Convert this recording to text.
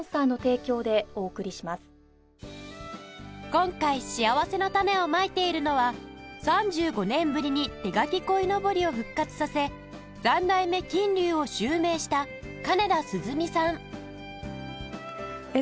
今回しあわせのたねをまいているのは３５年ぶりに手描き鯉のぼりを復活させ三代目金龍を襲名した金田鈴美さん